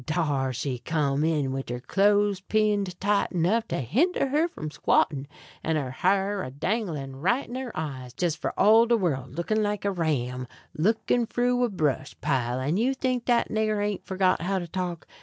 Dar she come in wid her close pinned tight enuff to hinder her from squattin', an' her ha'r a danglin' right in her eyes, jes' for all de worl' like a ram a looking fru a brush pile, and you think dat nigger hain't forgot how to talk!